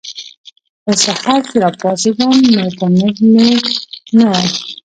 خو سحر چې راپاسېدم نو کمنټ مې نۀ وۀ